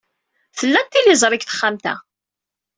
Tella tliẓri deg texxamt-a.